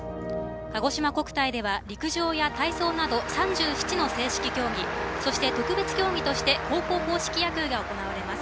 かごしま国体では陸上や体操など３７の正式競技そして特別競技として高校硬式野球が行われます。